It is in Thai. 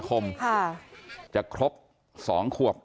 เพื่อนบ้านเจ้าหน้าที่อำรวจกู้ภัย